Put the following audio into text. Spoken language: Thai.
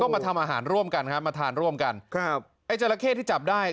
มาทำอาหารร่วมกันครับมาทานร่วมกันครับไอ้จราเข้ที่จับได้